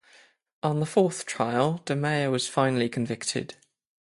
On the fourth trial, DeMayo was finally convicted.